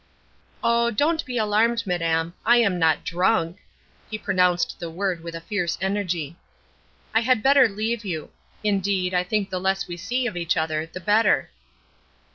"Oh, don't be alarmed, madam. I am not drunk!" he pronounced the word with a fierce energy. "I had better leave you. Indeed, I think the less we see of each other the better."